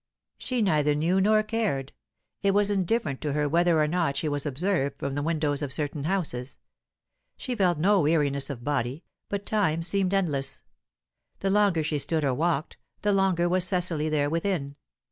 She neither knew nor cared; it was indifferent to her whether or not she was observed from the windows of certain houses. She felt no weariness of body, but time seemed endless. The longer she stood or walked, the longer was Cecily there within.